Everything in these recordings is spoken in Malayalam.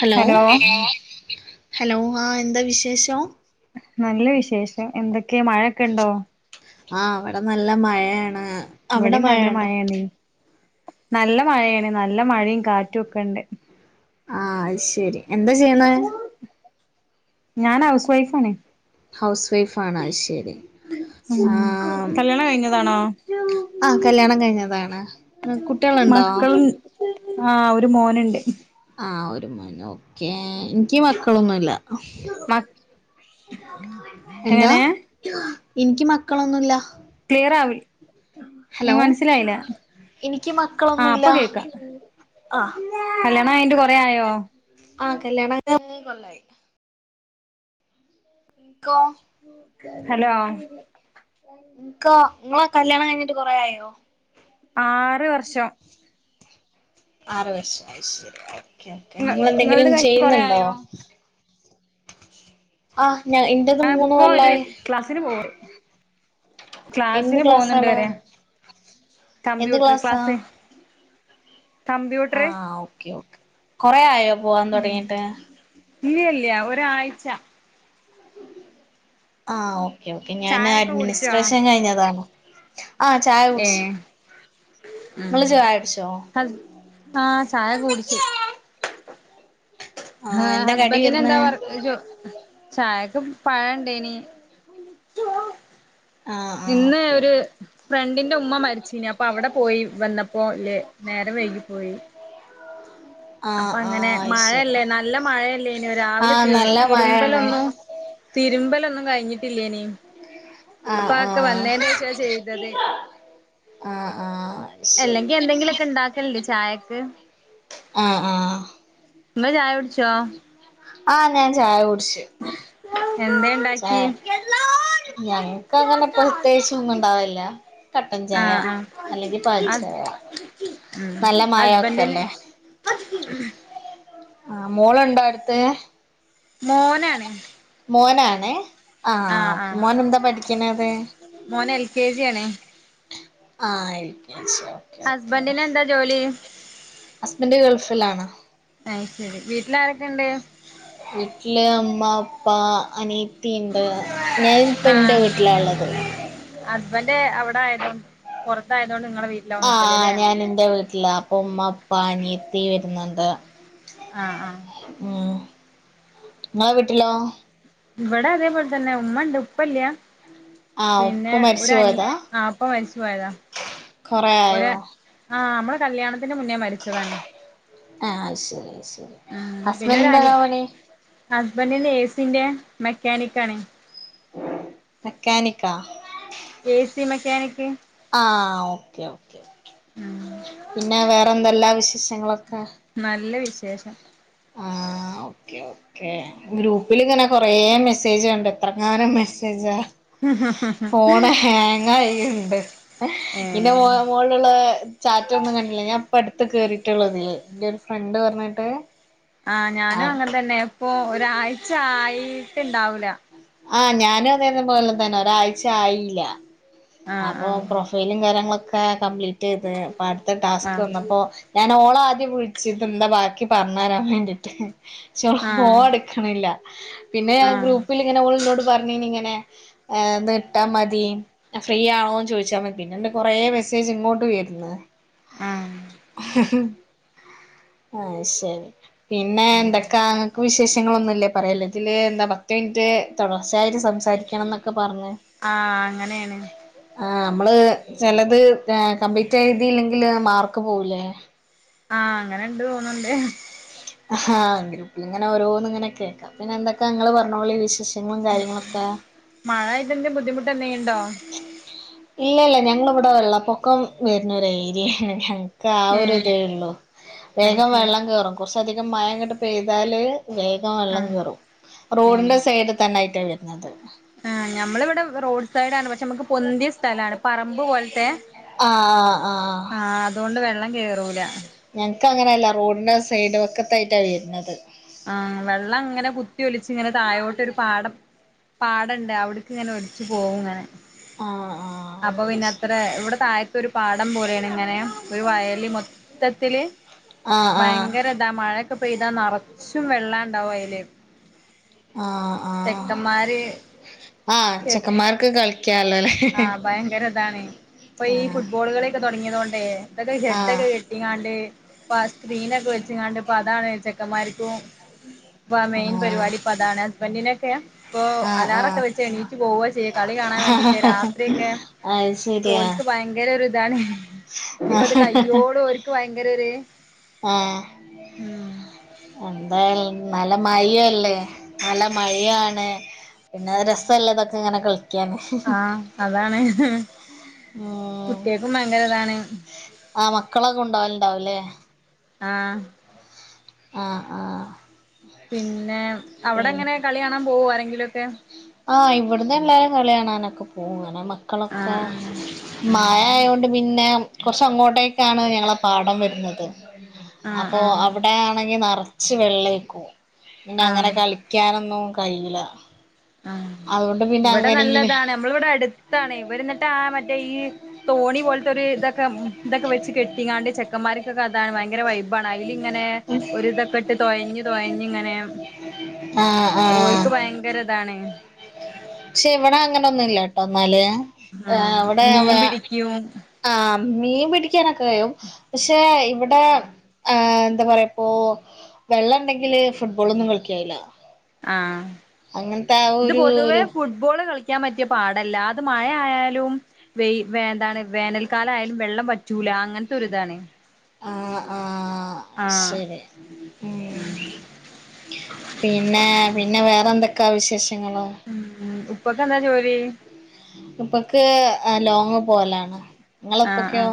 ഹലോ ഹലോ ആ, എന്താ വിശേഷം നല്ല വിശേഷം എന്തൊക്കെയ മഴയക്കെ ഉണ്ടോ ആ, അവിടെ നല്ല മഴയാണ് ഇവിടെ അവിടെ നല്ല മഴയുണ്ടോ മഴയാണ് നല്ല മഴയാണ് നല്ല മഴയും കാറ്റും ഒക്കെണ്ട്. ആ ശരി എന്താ ചെയ്യുന്നേ ഞാൻ ഹൗസ് വൈഫ് ആണേ ഹൗസ് വൈഫ് ആണോ, ശരി, ഉം ആ കല്യാണം കഴിഞ്ഞതാണോ ആ കല്യാണം കഴിഞ്ഞതാണ് കുട്ടികളുണ്ടോ? മക്കളും ആ ഒരു മോനുണ്ട് ആ ഒരു മോന്, ഓക്കേ എനിക്ക് മക്കളൊന്നുമില്ല. മ എന്താ, എങ്ങനെ എനിക്ക് മക്കളൊന്നുമില്ല ക്ലിയർ ആവി ഹലോ, മനസ്സിലായില്ല എനിക്ക് ആ അപ്പൊ മക്കളൊന്നുമില്ല കേക്കാം ആ കല്യാണം അയിട്ട് കുറെയായോ ആ കല്യാണോക്ക മൂന്ന് കൊല്ലായി ഇക്ക ഹലോ ഇക്ക നിങ്ങള കല്യാണം കഴിഞ്ഞിട്ട് കൊറേആയിനോ ആറ് വർഷം ആറ് വർഷം ശെരി ഓക്കെ ഓക്കേ നിങ്ങ നിങ്ങളത് നിങ്ങളേന്തെങ്കിലും കഴിഞ്ഞിട്ട് കൊറേ ചെയ്യുന്നുണ്ടോ ആയോ ആ ഞാ ഇന്റത് ഞാൻ മൂന്ന് ഇപ്പൊ ഒരു കൊല്ലാവായി ക്ലാസ്സിന് പോവണ്ട് എന്ത് ക്ലാസ്സിന് ക്ലാസ് പോകുന്നുണ്ട് ആണ് പറയാ എന്ത് കമ്പ്യൂട്ടർ ക്ലാസാ ക്ലാസ് കമ്പ്യൂട്ടർ ആ ഓക്കെ ഓക്കേ കൊറെ ആയോ പോവാൻ തുടങ്ങിട്ട് ഇല്ലില്ല ഒരാഴ്ച ആ ഓക്കെ ഓക്കെ ഞാന് ചായൊക്കെ കുടിച്ചോ അഡ്മിനിസ്ട്രേഷൻ കഴിഞ്ഞതാണോ ഏ ഉം ഇങ്ങള് ചായ കുടിച്ചോ ആ ത ചായ കുടിച്ച ആ ആഹ് എന്താ കടി ഹസ്ബന്റിനെന്താ വരുന്നെ വർക്ക്‌ ജോ ചായക്ക് പഴ ഇണ്ടേനി ആഹ് ആഹ് ഇന്ന് ഓക്കെ ഓക്കെ ഒരു ഫ്രണ്ടിന്റെ ഉമ്മ മരിച്ചീനി അപ്പൊ അവിടെ പോയി വന്നപ്പോ ല്ലേ നേരം വൈകി പോയി ആ അപ്പൊ അങ്ങനെ മഴയല്ലേ നല്ല മഴയല്ലേനു രാവിലെ ആഹ് തി നല്ല മഴയാണ് തിരുമ്പലൊന്നു തിരുമ്പലൊന്നും കഴിഞ്ഞിട്ടില്ലേനി ആഹ് അപ്പൊ അതോക്കെ ആഹ് വന്നേന് ശേഷ ചെയ്തത് ആഹ് ആഹ് ശരി അല്ലെങ്കി എന്തെങ്കിലുമൊക്കെ ഉണ്ടാക്കല് ചായക്ക് ആ ആ ഇങ്ങള് ചായ കുടിച്ചോ ആ ഞാൻ ചായ കുടിച്ച് എന്തേ ഉണ്ടാക്കി ഞങ്ങൾക്ക് അങ്ങനെ പ്രത്യേകിച്ചൊന്നും ഉണ്ടാവലില്ല കട്ടൻ ചായ ആഹ് ആഹ് അല്ലെങ്കിൽ പാൽച്ചായ ഹസ് ഉം ഹസ്ബന്റിന് മഴൊക്കെല്ലേ ആ മോള് ഉണ്ടോ അടുത്ത് മോനാണ് എ ആ ആഹ് ആഹ് മോൻ എന്താ പഠിക്കണത് മോന് എൽ കെ ജി ആണ് ആയി ഹസ്ബൻഡിന് എന്താ ജോലി ഹസ്ബന്റ് ഗൾഫിലാണോ അയ് ശരി വീട്ടിലാരൊക്കെ ഇണ്ട് വീട്ടില് അമ്മ അപ്പാ അനീത്തിണ്ട് ഞാന് ഇപ്പ എന്റെ ആഹ് വീട്ടിലാ ഉള്ളത് തായതോണ്ട് പുറത്തായ ആ ഞാൻ എന്റെ വീട്ടില അപ്പ ഉമ്മപ്പ അനിയത്തി വരുന്നുണ്ട് ആഹ് ആഹ് ഉം ഇങ്ങള വീട്ടിലോ ഇവിടെ അതേപോലെ തന്നെ ഉമ്മണ്ട് ഉപ്പല്യ ആഹ് പിന്നെ ഉപ്പ ഒരു മരിച്ചു അനി ആപ്പ മരിച്ചു പോയതാ ഒര് കൊറിയായോ ആഹ് നമ്മളെ കല്യാണത്തിന്റെ മുന്നേ മരിച്ചതാണ് ആ ശരിയ ശരി ഹസ്ബന്റിനെന്താ പണി ഹസ്ബന്റിന്റെ എ സിന്റെ മെക്കാനിക്കാണ് മെക്കാനിക്ക എസി മെക്കാനിക് ആ ഓക്കെ ഓക്കെ ഉം പിന്നെ വേറെന്തെല്ലാ വിശേഷങ്ങളൊക്കെ നല്ല വിശേഷം ഓക്കേ ഗ്രൂപ്പിൽങ്ങനെ കുറേ മെസ്സേജ് ഉണ്ട് എത്ര ങ്ങാനം മെസ്സേജാ ഉം ഹം് ഫോണ ഹാങ്ങ ആായിണ്ട് ഇന്റെ ഏഹ് മോളിലുള്ള ചാറ്റ ഒന്നും കണ്ടില്ല ഞാൻ അപ്പ അടുത്ത് കേറിയിട്ടുള്ള അതില്ലേ എന്റെ ഒരു ഫ്രണ്ട് പറഞ്ഞിട്ട് ആഹ ഞാനും ആഹ് അങ്ങനെ തന്നെ ഇപ്പൊ ഒരാഴ്ച ആായിട്ട് ഇണ്ടാവൂല ആഹ ഞാനും അതേന്ന പോലെ തന്നെ ഒരാഴ്ച ആയില്ല അപ്പൊ ആഹ് പ്രൊഫൈലും കാര്യങ്ങളൊക്കെ കംപ്ലീറ്റ് ചെയ്ത് അപ്പൊ അടുത്ത ടാസ്ക് ആഹ് വന്നപ്പോ ഞ ഓളെ ആദ്യം വിളിച്ചിത് എന്താ ബാക്കി പറഞ്ഞ തരാൻ വേണ്ടിട്ട് ചെ ആഹ് ഫോണെ എടുക്കണില്ല പിന്നെ ആഹ് ഗ്രൂപ്പിൽ ഇങ്ങനെ ഓൾ പറഞ്ഞനി ഇങ്ങനെ ഏ തെ ഇട്ടാ മതി ഫ്രീ ആണോന്ന് ചോദിച്ചാൽ മതി പിന്നെണ്ട് കൊറെമെസ്സേജ് ഇങ്ങോട്ട് വരന്ന് ആഹ് ആഹ് ആഹ് ശരി പിന്നെ എന്തൊക്കെ അങ്ങക്ക് വിശേഷ ങ്ങളന്നല്ലേ പറയല്ലോ ഇതില് എന്താ പത്ത് മിനിറ്റ് തുടർച്ചയായിട്ട് സംസാരിക്കണം എന്നൊക്കെ പറഞ്ഞ് ആഹ അങ്ങനെയാണ് ആ നമ്മള് ചിലത് കംപ്ലീറ്റ് ആതിയില്ലെങ്കില് മാർക്ക് പോവൂലേ ആഹ അങ്ങനെ ഇണ്ട് തോന്നണ്ട് ആഹ് ഗ്രൂപ്പി ഇങ്ങനെ ഓരോന്ന് ഹാ ഹഹാ ഇങ്ങനെ ഓരോന്ന് ഇങ്ങനെ കേക്കാം പിന്നെ എന്തൊക്കെ ഇങ്ങള് പറഞ്ഞോളി വിശേഷം ങ്ങളും കാര്യങ്ങളൊക്കെ അതിന്റെ ബുദ്ധിമുട്ട്ന്നെയുണ്ടോ ഇല്ല ഇല്ല ഞങ്ങളിവിടെ വെള്ളപ്പൊക്കം വരുന്ന ഒരു ഏരിയയാണ് ഞ ഒക്കെ ആ ഒരു ഏഹ് ഇതേ ഉള്ളൂ അത് വേഗം ശരി വെള്ളം കേയറും കുറച്ച അധികം മയംങ്ങോട്ട് പെയ്താല് വേഗം വെള്ളം ആഹ് കയറും ഏഹ് റോഡിന്റെ സൈഡ് തന്നൊയിയിട്ടാണ് വരുന്നത് ആ നമ്മ ഇവിടെ റോഡ് സൈഡ് ആ പ പ നമുക്ക് പൊന്തിയ സ്ഥലാണ് പറമ്പ് പോലത്തെ ആ ആ ആ ആഹ അതുകൊണ്ട് വെള്ളം കേയറൂല ഒ അങ്ങനെയല്ല റോഡിന്റെ സൈഡും ഒക്കത്തായിട്ടാ വരുന്നത് ആ വെള്ളം അങ്ങനെ കുത്തിയൊലിച്ച് ഇങ്ങനെ താഴോട്ടൊരു പാടം പാടണ്ട് അവിടക്ക് ഇങ്ങനെ ഒലിച്ച് പോവും ഇങ്ങനെ ആ ആ അപ്പൊ പിന്നെ അത്ര ഇവിടെ തഴ ഒരു പാടം പോലെയാണ് ഇങ്ങനെ ഒരു വയൽ മൊത്തത്തില് ആ ആ ഭയങ്കരതാ മഴയൊക്കെ പെയ്താ നിറച്ചും വെള്ളാണ്ടാവും അതില് ആ ആ ആ ചെക്കന്മാർക്ക് കളിക്കല്ലോല്ലേ ആ ഭയങ്കരതാണ് ഇപ്പൊ ഈ ആഹ് ഫുട്ബോളുകളൊക്കെ തുടങ്ങിയതോണ്ടേ ഇതൊക്കെ ആഹ് ഹെഡൊക്കെ കെട്ടിങ്ങാണ്ട് അ സ്ക്രീനൊക്കെ വെച്ച കണ്ട ഇപ്പോ അതാണ് ചെക്കന്മാർരിക്കും വ മെയിൻ ആഹ് പരിപാടി ഇപ്പോൊ അതാണ് ഹസ്ബൻഡിനൊക്കെയ ഇപ്പോൊ ആഹ് അലാറ ഒക്കെ ആഹ് വെച്ച് എണീറ്റ് പോവുകയ ചെയ്യ കളി കാണാൻ വേണ്ടിട്ട് മറ്റേ രാത്രി ഒക്കെ അത് ശരിയാ പോലക്ക് ഭയങ്കര ഇതാണ് ഇയിപ്പ അത് കയ്യോലും ഭയങ്കരര് ആ എന്താ നല്ല മയ ല്ലേ നല്ല മഴയാണ് പിന്നെ രസല്ല ഇതൊക്കെ ഇങ്ങനെ കള ആ അതാണ് ഉം കുട്ടികക്കും ഭയങ്കര ഇതാണ് ആ മക്കളൊക്കെ ഉണ്ടകലുണ്ടാവൂല്ലേ ആ ആ ആ പിന്നെ പി അവിടെ എങ്ങനെ കളി കാണാൻ പോവോ ആരെങ്കിലുമൊക്കെ ആ ഇവിടന്ന് എല്ലാരും കളിയ കാണാനൊ ഒക്കെ പോങ്ങനെ മക്കളൊക്കെ ആഹ് ആഹ് മായ ആയൊണ്ട് പിന്നെ കുറച്ച അങ്ങോട്ടേക്കാണ് ഞങ്ങളുടെ പാഠം വരുന്നത് ആഹ് അപ്പോൾ ആഹ് അവിടെയാണെങ്കിൽ നിറ ച്ച് വെള്ളേക്കൂ ആ നൊന്നും കഴിയില ഉം ഇവിടെ നല്ലതാണ് നമ്മളിവിടെ അടുത്താണ് ഇവര എന്നിട്ട് ആ മറ്റേ ഈ തോണി പോലത്തെ ഒരു ഇതൊക്കെ ഇതൊക്കെ വെച്ച് കെട്ടിങ്ങാണ്ട് ചെക്കന്മാർക്കൊക്കെ അതാണ് ഭയങ്കര വൈബാണ് അതില ഇങ്ങനെ ഒരുരിതൊക്കെട്ട് തോഴഞ്ഞു തൊഴഞ്ഞ ഇങ്ങനെ ആ! ആ! ഓര്ക്ക് ഭയങ്കര ഇതാണ് പക്ഷെ ഇവടെ അങ്ങനൊന്നുംല്ല ആഹ് അവിടെ മീൻ പിടിക്കും ആ. മീൻ പിടിക്കാനൊക്കെ കും പക്ഷെ ഇവിടെ- ആ എന്താ പറയാ ഇപ്പോൊ വെള്ളം ഉണ്ടെങ്കില് ഫുട്ബോളൊന്നും കളിക്കായില്ല ആ! ഇത് ഒരു പൊതുവേ ഒരു ഫുട്ബോള് കളിക്കാൻ പറ്റിയ പാട- ല്ലാതെ മഴയാലും വന്താണ് വേനൽക്കാലയും വെള്ളം പറ്റൂല അങ്ങനത്തെരിതാണ്. ആ! ആ! ശരി. ഉ പിന്നെ പിന്നെ വേറെന്തൊക്കെ വിശേഷങ്ങള് ഇപ്പൊക്കെ എന്താ ജോലി? ഇപ്പൊക്ക് ലോങ്ങ് പോലാണ് നിങ്ങള ഇപ്പക്കെയോ?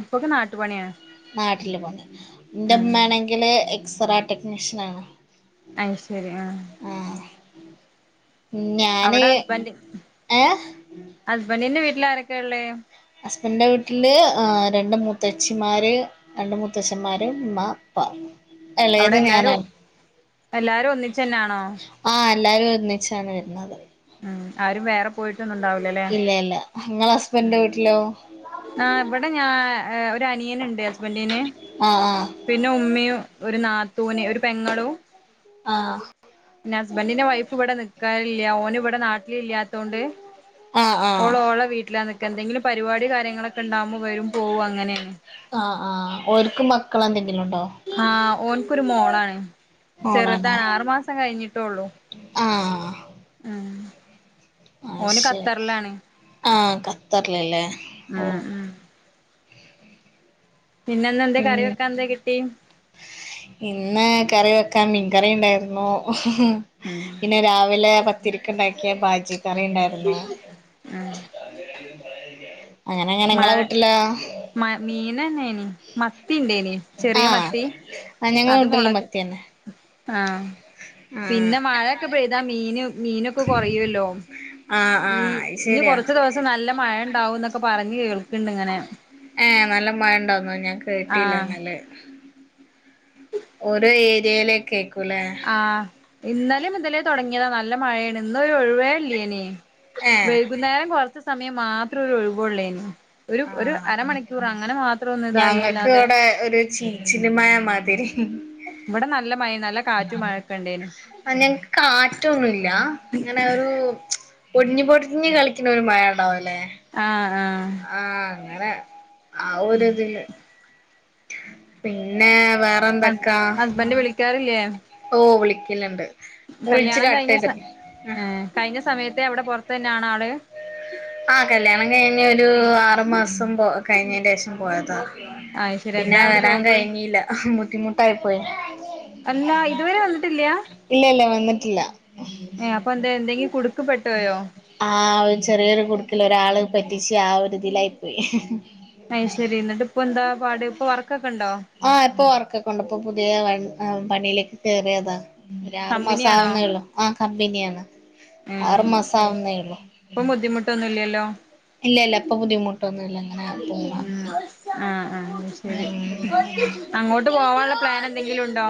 ഉപ്പൊക്കെ നാട്ടുപണിയാണ്. നാട്ടില് പോ എന്റെമ്മണെങ്കില് എക്സ്റേ ടെക്നീഷ്യൻ ആണ്. അയ് ശരി ആ! ഞാന് അവിടെ ഹസ്ബൻഡ ഏഹ് ഹസ്ബൻഡിന്റെ വീട്ടില ആരൊക്കെയ ഉള്ളേ? ഹസ്ബൻഡന്റെ വീട്ടില് രണ്ട മൂത്തച്ച്ചിമാര് രണ്ട മൂത്തച്ഛന്മാരും ഉമ്മ അവിടെ എളയത് ഞാനാ എല്ലാരും എല്ലാരും ഒന്നിച്ചന്നാണോ ആ. എല്ലാവരും ഒന്നിച്ചാണ് വരുന്നത്. ഉ ആരും വേറെ പോയിട്ട്- ഇല്ല ഇല്ല നിങ്ങളെ ഹസ്ബൻഡിന്റെ വീട്ടിലോ ഇവിടെ ഞാൻ അനിയനുണ്ട് ഹസ്ബൻ്റിന് ആഹ് പിന്നെ ഉമ്മയും. ഒരു നാത്തൂന് ഒരു പെങ്ങളും ആഹ് പിന്നെ ഹസ്ബൻഡിന്റെ വൈഫ് ഇവിടെ നിക്കാനില്ല ഓന് ഇവിടെ നാട്ടിലില്ലാത്തൊണ്ട്. ആഹ് ആഹ് ഓള് ഓളെ വീട്ടിലാ നിക്ക എന്തെങ്കിലും പരിപാടി കാര്യങ്ങളൊക്കെ ഉണ്ടാവകുമോ വരും പോകും അങ്ങനെ അ ആ ഓൽക് മക്കളോക്കെ ആ ഓൻക്കോരു മോളാണ് മോളാണോ ചെറുതാണ് ആറു മാസം കഴിഞ്ഞിട്ടേള്ളു ആഹ് അത് ഓന് ശരി ഖത്തറിലാണ് ആഹ് ഖത്തറിലല്ലേ മ് ഓഹ് മ് കറി വെക്കാൻ എന്താ കിട്ടി ഇന്ന് കറി വെ ക മീൻകറിയുണ്ടായിരുന്നു മ്ഹ് ഉം പിന്നെ രാവിലെ പത്തിരിക്ക് ഉണ്ടാക്കിയ ബാജി കറി ഉണ്ടായിരുന്നു മ് അങ്ങനെയാണേലും പറയാതിരി മാ മ മീ പിന്നന്നനി മത്തി ഉണ്ടേനി ചെറിയ ആഹ് മത്തി ആഹ് ഞങ്ങളെ അത് വീട്ടിലും മുളക് മത്തിയന്നെ ആഹ് ആഹ് പിന്നെ മഴൊക്കെ പെയ്താ മീന് മീനൊക്കെ കുറയുല്ലോ ആഹ് മ് ആഹ് അത് ഇനി കൊറച്ച് ദിവസം നല്ല മഴ ഉണ്ടാവും എന്നൊക്കെ- പറഞ്ഞ് കേൾക്കണ്ട് ഇങ്ങനെ ഏ നല്ല മഴണ്ടന്നു ഞാൻ കേട്ടില്ല ആഹ് എന്നല് ഓരോ ഏരിയേലേകേക്കൂലേ ആഹ് ഇന്നലെ മുതലേ തുടങ്ങിയതാ നല്ല മഴയാണ് ഇന്നൊരു ഒഴുവേല്ലേനി ഏഹ് വൈകുന്നേരം കൊറച്ച് സമയം മാത്രം ഒരു ഒഴിവേള്ളേന് ഒരു ഒരു ആഹ് അരമണിക്കൂർ അങ്ങനെ മാത്രം ഒന്നു ഞങ്ങൾക്ക് ഇതായില്ലാതെ ഇവിടെ ഒരു ചീച്ചിലുമഴ മാതിരി ഇവിടെ നല്ല മഴ നല്ല കാറ്റും മഴൊക്കെ ഉണ്ട് ആ ഞങ്ങക്ക് കാറ്റൊന്നുല്ല ഇങ്ങനെ ഒരു പൊടിഞ്ഞ് പൊടിഞ്ഞ് കളിക്കണ ഒരു മഴ ഉണ്ടാവില്ലേ ആഹ് ആഹ് അങ്ങനെ ആഒരിതില് പിന്നെ വേറെ ഹസ് എന്തൊക്കാ ഹസ്ബൻഡ് ഓ വിളിക്കലുണ്ട് വിളിച്ച് കല്ല്യാണം കട്ട് കഴിഞ്ഞ സ ചെയ്ത് ഏഹ് കഴിഞ്ഞ സമയത്തെ അവിടെ പൊറത്തു തന്നെയാണ് ആള് ആഹ് കല്യാണം കഴിഞ്ഞ് ഒരു ആറു മാസം പോ കഴിഞ്ഞന്റെ ശേഷം പോയതാ അയ് ശരി പിന്നെ എന്താ അവിടെ വരാൻ ജോബ് കഴിഞ്ഞില്ല ബുദ്ധിമുട്ടായി പോയി അല്ല ഇതുവരെ വന്നിട്ടില്ല ഇല്ല ഇല്ല വന്നിട്ടില്ല എഹ് അപ്പ എന്താ എന്തെങ്കിം കുടു ആഹ് ചെറിയൊരു കുടുക്കൽ ഒരാള് പറ്റിച്ച് ആ ഒരിതിലായി പോയി അത് ശരി എന്നിട്ട് ഇപ്പൊ എന്താ പാട് ഇപ്പൊ വർക്കൊക്കെ ഉണ്ടോ ആ ഇപ്പൊ വർക്കൊക്കെണ്ട് ഇപ്പൊ പുതിയ വയ് ആഹ് പണിയിലേക്ക് കേയറിയതാ ഒരൂ ആറു മാസം കമ്പനിയാണോ ആവുന്നേള്ളു ആ കമ്പനിയാണ് ഉം ആറ് മാസ ആവുന്നേള്ളു ഇപ്പൊ ബുദ്ധിമുട്ടൊന്നുംല്ലല്ലോ ഇല്ല ഇല്ല ഇപ്പൊ ബുദ്ധിമുട്ടൊന്നു ഇല്ല ഉം ആഹ് ആഹ് ശരി അങ്ങോട്ട് പോവാനുള്ള പ്ലാൻ എന്തെങ്കിലും ഉണ്ടോ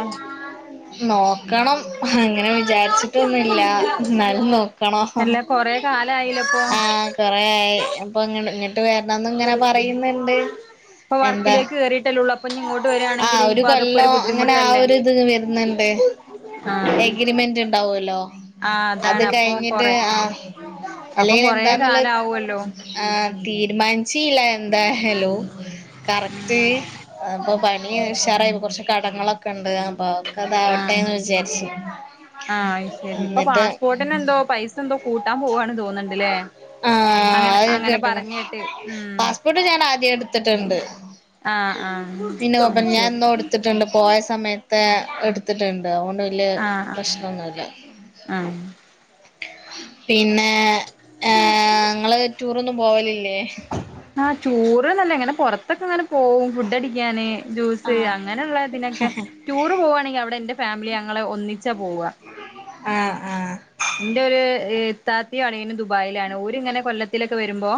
നോക്കണം അങ്ങനെ വിചാരിച്ചിട്ടൊന്നുമില്ല എന്നാലും നോക്കണോ അല്ല കൊറെ കാലായില്ലേ ഇപ്പൊ ആഹ് കൊറേയായി അപ്പൊ ഇങ്ങന ഇങ്ങിട്ട് വരണംന്ന് ഇങ്ങനെ പറയുന്നുണ്ട് ഇപ്പൊ എന്താ വർക്കിലേക്ക് കേറിയിട്ടല്ലേ ഉള്ളൂ അപ്പൊ ഇനി ഇങ്ങോട്ട് ആ വരിയാണെങ്കിൽ ഒരു ഇനിയിപ്പോ അതൊക്കെ കൊല്ലം അങ്ങനെ ആ ബുദ്ധിമുട്ടല്ലേ ഒരു ഇത് വരുന്നുണ്ട് ആഹ് എഗ്രിമെന്റ് ഉണ്ടാവുല്ലോ ആഹ് അത് അതാണ് അപ്പൊ കഴിഞ്ഞിട്ട് കൊറെ ആഹ് അപ്പം അല്ലെങ്കിൽ കൊറേ എന്താന്നുള്ള കാലം ആവുമല്ലോ ആഹ് തീരുമാനിച്ചീലാ എന്താ ഹലോ കറക്റ്റ് നിയ് ഉഷാറായ് ഇപ്പ കൊറച്ച് കടങ്ങളൊക്കെ ഇണ്ട് അപ്പൊ ആഹ് അഒക്കതാവട്ടെന്ന് വിജാരിച്ച് ആഹ് ഐശെരി ഇപ്പൊ പാസ്പോട്ടിനെന്തോ പൈസ എന്തോ കൂട്ടാൻ പോവാണ് തോന്ന്ണ്ട്ലേ ആഹ് അത് ഞാൻ കേട്ട്ണ് ഉം പാസ്പോർട്ട് ഞാൻ ആദ്യേ എട്ത്തിട്ട്ണ്ട് ആഹ് പിന്നെ ആഹ് കൊപ്പം അത് ഞാ ശരി ഇന്ന് കൊട്ത്തിട്ട്ണ്ട് പോയ സമയത്തെ എട്ത്ത്ട്ട്ണ്ട് തഓണ്ട് വല്യ ആഹ് ആഹ് പ്രശ്നൊന്നുല്ല ആഹ് പിന്നെ ഏഹ് ഇങ്ങള് റ്റൂറൊന്നും പോവലില്ലേ ആഹ് റ്റൂറ് ന്നല്ല ഇങ്ങനെ പൊറത്തൊക്കെ ന്നട പോവും ഫുഡഡിക്കാന് ജ്യൂസ് ആഹ് അങ്ങന്ള്ളഇതിനൊക്കെ റ്റൂറ് പോവാണെങ്കി അവടെ എന്റെ ഫാമിലി അങ്ങ ങ്ങളെ ഒന്നിച്ചാ പോവാ ആഹ് ആഹ് എന്റെ ഒര് ഇത്താത്തേം അളിയനും ദുബായിലാണ് ഓരിങ്ങനെ കൊല്ലത്തിലൊക്കെ വരുമ്പോ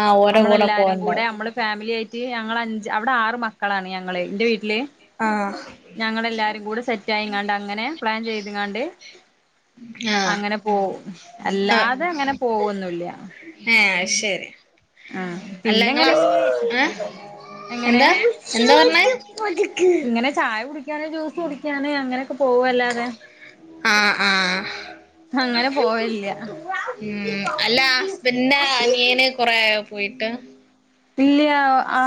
ആ ഓരെ കൂടെ നമ്മളെല്ലാരും കൂടെ പോവണ്ടാവും ന്നമ്മള് ഫാമിലി ആയി റ്റ് ഞങ്ങളഞ്ച് അവടെ ആറ് മക്കളാണ് ഞങ്ങളെ എന്റെ വീട്ട്ല് ആഹ് ഞങ്ങളെല്ലാരും കൂടെ സെറ്റായിങ്ങാണ്ട് അങ്ങനെ പ്ലാൻ ചെയ്ത്ങ്ങാണ്ട് ആഹ് അങ്ങനെ പോവും അല്ലാതെ ആഹ് അങ്ങനെ പോകൊന്നുല്യ ഏ ശരി ആഹ് അല്ല പിന്നെ ഇങ്ങള എങ്ങനെ ഹസ് ഈ ഏ എങ്ങനെ എന്താ എന്താ പറഞ്ഞേ എങ്ങനെ ചായ കുടിക്കാന് ജ്യൂസ് കുടിക്കാന് അങ്ങനെയൊക്കെ പോവല്ലാതെ ആഹ് ആഹ് അങ്ങനെ പോവലില്യാ ഉം അല്ല പോയ്ട്ട് ഇല്യാ ആ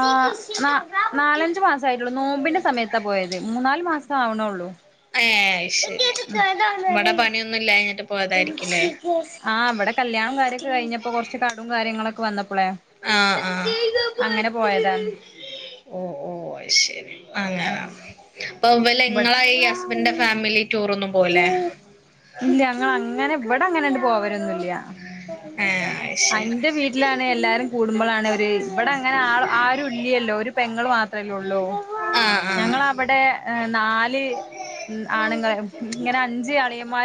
ന്നാ ന്നാലഞ്ചു മാസ ആയിട്ടുള്ളൂ നോമ്പിന്റെ സമയത്താ പോയത് മൂന്നാല് മാസ മാസം ആവണൊള്ളൂ ഏ ശരി ഇവിടെ പണിയൊന്നും ഇല്ലാഞ്ഞിട്ട് പോയതായിരിക്കില്ലേ ആഹ് ഇവടെ കൽ കല്യാണോം കാരൊക്കെ കിയ്ഞ്ഞപ്പൊ കൊറച്ച് കടോം കാര്യങ്ങളൊ ക്കെ വന്നപ്പളെ ആഹ് ആഹ് അങ്ങനെ പോയതാ ഓ ഓ ശരി അങ്ങനെ ഉം അപ്പൊ ഇവലെ ഇവട് ഇങ്ങളെ ഈ ഹസ്ബൻഡിന്റെ ഫാമിലി ടൂറൊന്നും പോവുലേ ഇല്യാ ഞങ്ങളങ്ങനെ ഇവട് അങ്ങനണ്ട് പോവൽ ലൊന്നൂല്യ ഏ അ ശരി ഇന്റെ വീറ്റ്‌ലാനേ എല്ലാരും കൂടുമ്പളാണെ ഒര് ഇവടങ്ങനെ ആ ആള് ആരുല്ല്യല്ലോ ഒരു പെങ്ങള് മാത്രല്ലേ ഒള്ളൂ ആഹ് ആഹ് ഞങ്ങളവടെ നാല് ആണുങ്ങള് ഇങ്ങനെ അഞ്ച് അളിയന്മാര